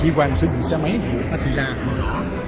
khi hoàng xây dựng xe máy hiệu attila hoàn toàn